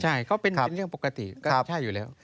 ใช่ก็เป็นเรื่องปกติก็ใช่อยู่แล้ว